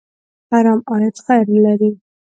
حرام عاید خیر نه لري.